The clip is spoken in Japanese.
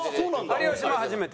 有吉も初めて？